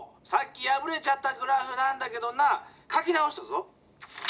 さっきやぶれちゃったグラフなんだけどな書き直したぞ。